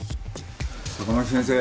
坂巻先生。